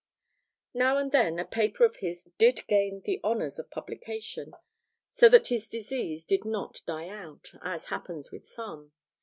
Now and then a paper of his did gain the honours of publication, so that his disease did not die out, as happens with some.